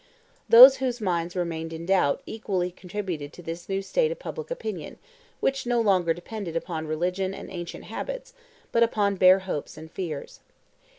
Those whose minds remained in doubt equally contributed to this new state of public opinion, which no longer depended upon religion and ancient habits, but upon bare hopes and fears.